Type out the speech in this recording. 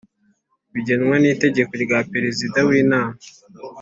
bigenwa n Iteka rya Perezida w inama